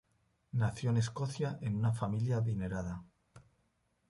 Nació en Escocia en una familia adinerada.